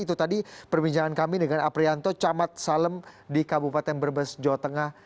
itu tadi perbincangan kami dengan aprianto camat salem di kabupaten brebes jawa tengah